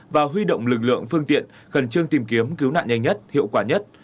và huy động lực lượng phương tiện khẩn trương tìm kiếm cứu nạn nhanh nhất hiệu quả nhất